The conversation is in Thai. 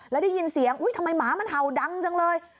แล้วได้ยินเสียงอุ๊ยทำไมหมามันเห่าดังจังเลย